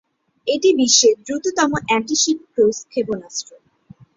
এটি বিশ্বের দ্রুততম অ্যান্টি-শিপ ক্রুজ ক্ষেপণাস্ত্র।